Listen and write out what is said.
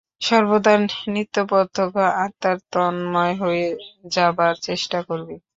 সর্বদা নিত্যপ্রত্যক্ষ আত্মায় তন্ময় হয়ে যাবার চেষ্টা করবি।